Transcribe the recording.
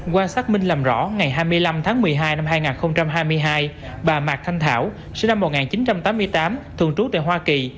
qua xác minh làm rõ ngày hai mươi năm tháng một mươi hai năm hai nghìn hai mươi hai bà mạc thanh thảo sinh năm một nghìn chín trăm tám mươi tám thường trú tại hoa kỳ